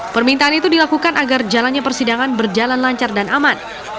permintaan itu dilakukan agar jalannya persidangan berjalan lancar dan aman